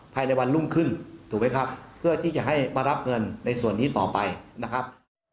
ภายในวันรุ่งขึ้นถูกไหมครับเพื่อที่จะให้มารับเงินในส่วนนี้ต่อไปนะครับ